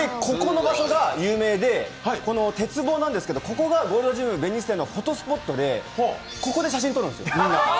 ここの場所が有名で、鉄棒なんですけどここがゴールドジムベニス店のフォトスポットでここで写真撮るんですよ。